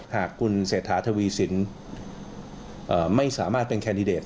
หากคุณเศรษฐาทวีสินไม่สามารถเป็นแคนดิเดต